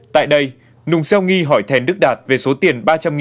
tại đây nùng xeo nghi hỏi thèn đức đạt về số tiền ba trăm linh